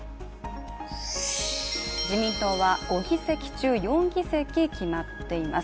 自民党は５議席中４議席決まっています。